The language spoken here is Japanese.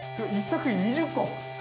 １作品に２０個。